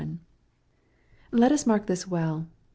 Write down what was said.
Let us mark this well.